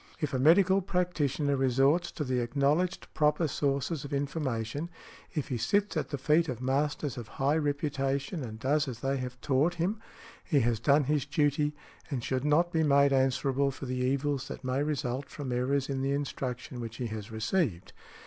If a medical practitioner resorts to the acknowledged proper sources of information—if he sits at the feet of masters of high reputation and does as they have taught him—he has done his duty, and should not be made answerable for the evils that may result from errors in the instruction which he has received.